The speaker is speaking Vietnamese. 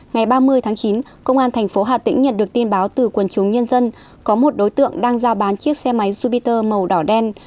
ngày ba mươi tháng chín công an thành phố hà tĩnh nhận được tin báo từ quần chúng nhân dân có một đối tượng đang giao bán chiếc xe máy jupiter màu đỏ đen